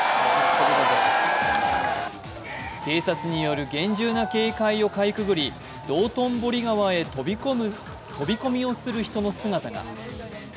警察による厳重な警戒をかいくぐり道頓堀川へ飛び込みをする人の姿が。